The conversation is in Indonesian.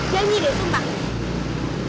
janji deh sumpah